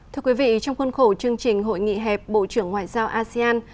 thưa quý vị trong khuôn khổ chương trình hội nghị hẹp bộ trưởng ngoại giao asean